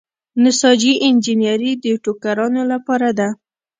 نساجي انجنیری د ټوکرانو لپاره ده.